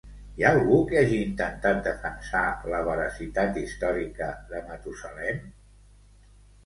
Hi ha algú que hagi intentat defensar la veracitat històrica de Matusalem?